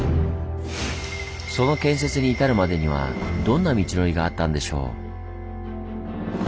その建設に至るまでにはどんな道のりがあったんでしょう？